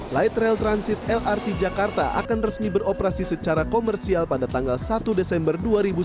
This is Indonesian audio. light rail transit lrt jakarta akan resmi beroperasi secara komersial pada tanggal satu desember dua ribu sembilan belas